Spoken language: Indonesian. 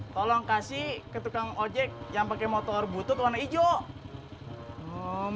tolong kasih ke tukang ojek yang pakai motor butut warna hijau